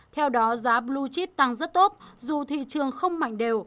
theo đó giá blue chip tăng rất tốt dù thị trường không mạnh đều